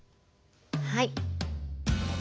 はい。